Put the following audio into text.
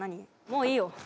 もういいよ。